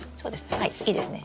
はいいいですね。